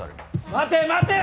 待て待て！